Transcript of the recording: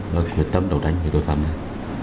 và quyết tâm đấu tranh về tội phạm này